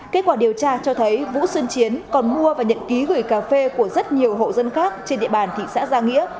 kết quả điều tra cho thấy vũ xuân chiến còn mua và nhận ký gửi cà phê của rất nhiều hộ dân khác trên địa bàn thị xã gia nghĩa